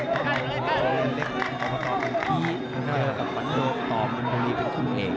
เมืองชนเล็กของประกอบหนึ่งปีเจอกับฝันโลกต่อมุนตรีเป็นคู่เอก